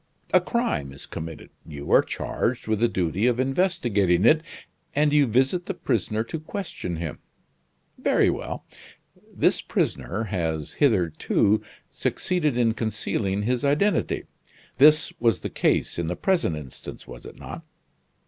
A crime is committed; you are charged with the duty of investigating it, and you visit the prisoner to question him. Very well. This prisoner has, hitherto, succeeded in concealing his identity this was the case in the present instance, was it not?